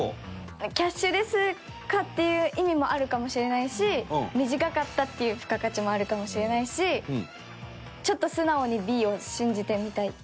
キャッシュレス化っていう意味もあるかもしれないし短かったっていう付加価値もあるかもしれないしちょっと素直にＢを信じてみたいかもしれない。